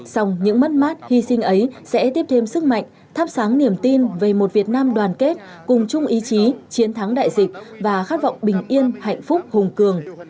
sòng những mất mát hy sinh ấy sẽ tiếp thêm sức mạnh thắp sáng niềm tin về một việt nam đoàn kết cùng chung ý chí chiến thắng đại dịch và khát vọng bình yên hạnh phúc hùng cường